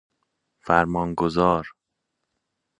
فرمان گزار